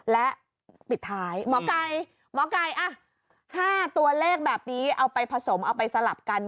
และปิดท้ายหมอไก่หมอไก่๕ตัวเลขแบบนี้เอาไปผสมเอาไปสลับกัน